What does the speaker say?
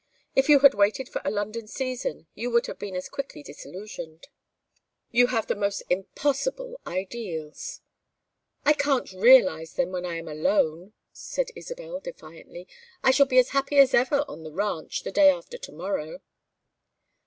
If you had waited for a London season you would have been as quickly disillusioned. You have the most impossible ideals " "I can realize them when I am alone," said Isabel, defiantly. "I shall be as happy as ever on the ranch, the day after to morrow."